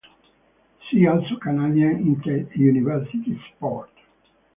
See also Canadian Interuniversity Sport.